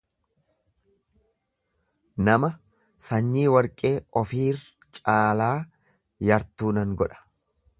Nama sanyii warqee Ofiir caalaa yartuu nan godha.